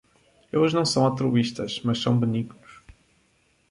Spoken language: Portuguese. Eles não são altruístas, mas são benignos.